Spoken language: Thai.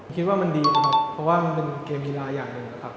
คิดว่ามันดีครับเพราะว่ามันเป็นเกมกีฬาอย่างหนึ่งนะครับ